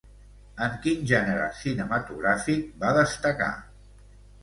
En quin gènere cinematogràfic va destacar?